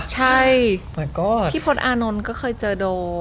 ใช่พี่พศอานนท์ก็เคยเจอโด